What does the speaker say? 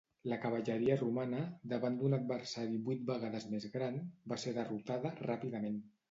La cavalleria romana, davant d'un adversari vuit vegades més gran, va ser derrotada ràpidament.